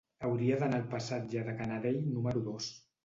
Hauria d'anar al passatge de Canadell número dos.